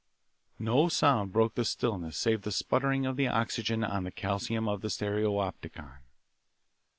No sound broke the stillness save the sputtering of the oxygen on the calcium of the stereopticon.